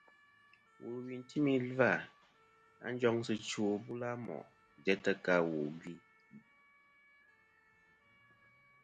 Wulwi timi ɨ̀lvɨ-a njoŋsɨ chwò bula mo' jæ tɨ ka wu bvɨ.